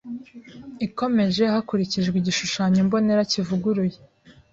ikomeje hakurikijwe igishushanyo mbonera kivuguruye